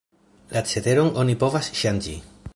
La ceteron oni povas ŝanĝi.